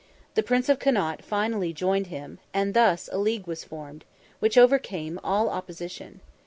The Prince of Connaught finally joined him, and thus, a league was formed, which overcame all opposition.